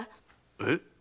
えっ？